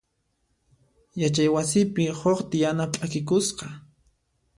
Yachay wasipi huk tiyana p'akikusqa.